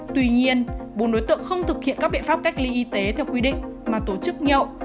tuy nhiên bốn đối tượng không thực hiện các biện pháp cách ly y tế theo quy định mà tổ chức nhậu